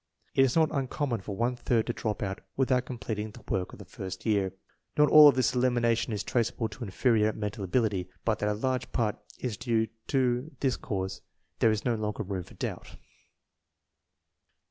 It is not uncommon for one third to drop out without completing the work of the first year. Not all of this elimination is traceable to inferior mental ability, but that a large part is due to this cause there is no longer room for doubt.